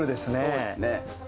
そうですね。